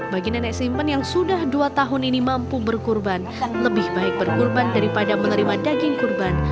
bagi nenek simpen yang sudah dua tahun ini mampu berkurban lebih baik berkurban daripada menerima daging kurban